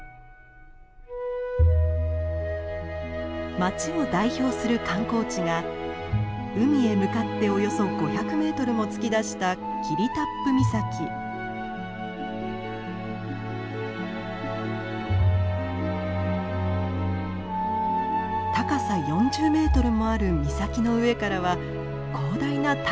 町を代表する観光地が海へ向かっておよそ５００メートルも突き出した高さ４０メートルもある岬の上からは広大な太平洋が一望できます。